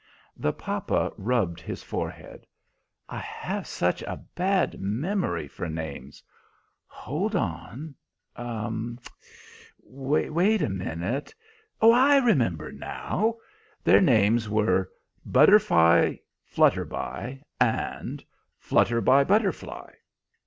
The papa rubbed his forehead. "I have such a bad memory for names. Hold on! Wait a minute! I remember now! Their names were Butterflyflutterby and Flutterbybutterfly."